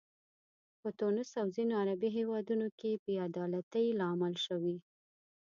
په تونس او ځینو عربي هیوادونو کې بې عدالتۍ لامل شوي.